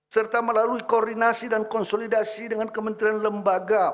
serta melalui koordinasi dan konsolidasi dengan kementerian lembaga